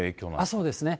そうですね。